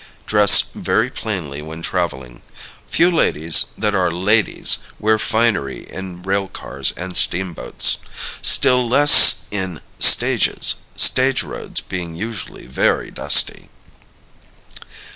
Dress very plainly when traveling. Few ladies that are ladies wear finery in railcars and steamboats still less in stages, stage roads being usually very dusty.